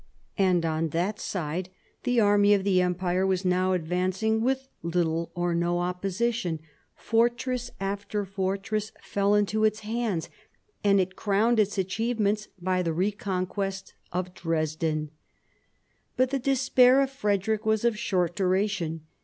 And on that side the army of the Empire was now advancing with little or no opposition ; fortress after fortress fell 1757 60 THE SEVEN YEARS' WAR 159 into its hands, and it crowned its achievements by the reconquest of Dresden. But the despair of Frederick was of short duration.